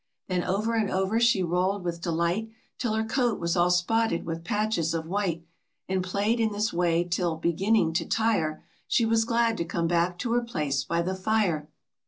Then over and over she rolled with delight, Till her coat was all spotted with patches of white, And played in this way till, beginning to tire, She was glad to come back to her place by the fire.